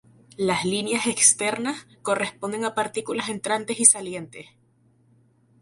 Las líneas externas corresponden a partículas entrantes y salientes.